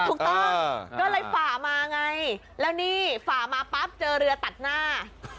ถูกต้องก็เลยฝ่ามาไงแล้วนี่ฝ่ามาปั๊บเจอเรือตัดหน้า